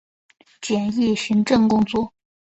简易行政工作